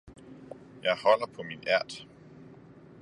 Jeg holder på min ært!